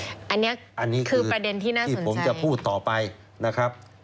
อันนี้คือประเด็นที่นั่นที่ผมจะพูดต่อไปนะครับ